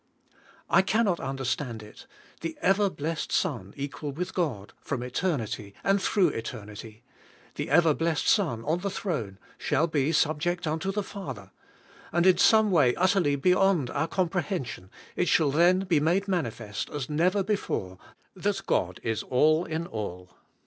I cannot understand it — the ever blessed Son equal with God, from eter 107 T 168 THA T GOD MA V BE ALL IN ALL nity, and through eternity ; the ever blessed Son on the throne shall be subject unto the Father; and in some way utterly beyond our comprehension, it shall then be made manifest, as never before, that God is all in all.